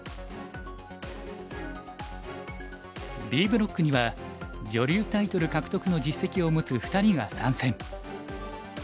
Ｂブロックには女流タイトル獲得の実績を持つ２人が参戦。